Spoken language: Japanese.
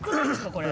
これ。